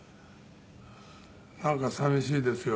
なんか寂しいですよ。